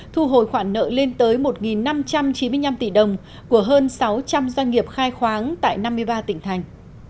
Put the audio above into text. thu hồi khoản nợ lên tới một năm trăm chín mươi năm tỷ đồng của hơn sáu trăm linh doanh nghiệp khai khoáng tại năm mươi ba tỉnh thành